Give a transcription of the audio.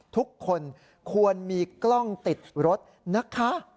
ทุกคนควรมีกล้องติดรถนะคะ